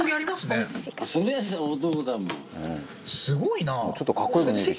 すごいな。